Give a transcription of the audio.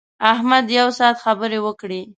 احمد یو ساعت خبرې وکړې.